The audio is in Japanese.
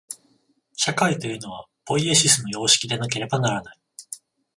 社会というのは、ポイエシスの様式でなければならない。